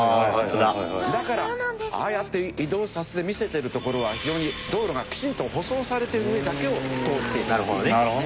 だからああやって移動させて見せてるところは非常に道路がきちんと舗装されてる上だけを通っているんですね。